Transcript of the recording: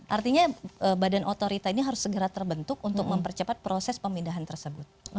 artinya badan otorita ini harus segera terbentuk untuk mempercepat proses pemindahan tersebut